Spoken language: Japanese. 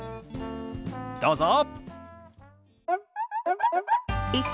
どうぞ。